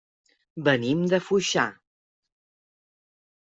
Venim de Foixà.